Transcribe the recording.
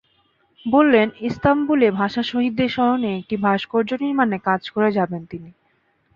বললেন, ইস্তাম্বুলে ভাষা শহীদদের স্মরণে একটি ভাস্কর্য নির্মাণে কাজ করে যাবেন তিনি।